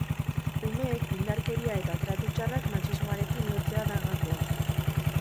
Umeek indarkeria eta tratu txarrak matxismoarekin lotzea da gakoa.